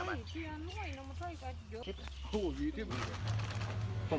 เย็น